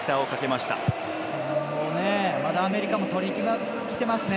まだアメリカも取りにきてますね。